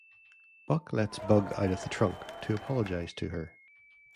Buck lets Bug out of the trunk to apologize to her.